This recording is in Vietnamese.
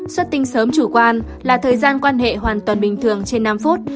xuất tinh sớm chủ quan là thời gian quan hệ hoàn toàn bình thường trên năm phút